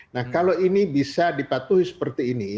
nah kalau ini bisa dipatuhi seperti ini